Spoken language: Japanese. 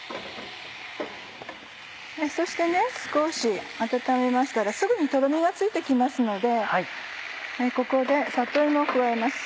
そして少し温めましたらすぐにとろみがついて来ますのでここで里芋を加えます。